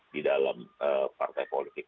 di dalam partai politik